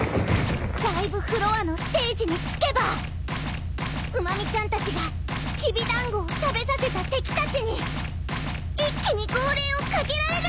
ライブフロアのステージに着けばウマ美ちゃんたちがきびだんごを食べさせた敵たちに一気に号令をかけられるでやんす！